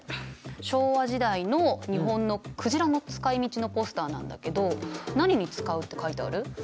昭和時代の日本の鯨の使いみちのポスターなんだけど何に使うって書いてある？